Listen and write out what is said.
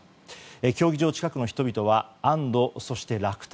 競技場近くの人々は安堵、そして落胆